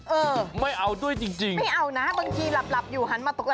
เออไม่เอาด้วยจริงไม่เอานะบางทีหลับอยู่หันมาตกละ